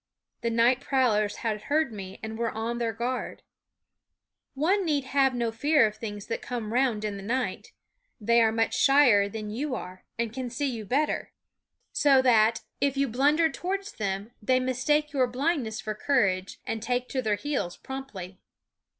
The night prowlers had heard me and were on their guard. One need have no fear of things that come round in the night. They are much shyer than you are, and can see you better; so 217 218 9 SCHOOL OJF that, if you blunder towards them, they mis take your blindness for courage, and take to their heels promptly.